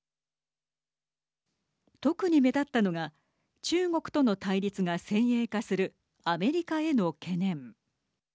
特に目立ったのが中国との対立が先鋭化するアメリカへの懸念。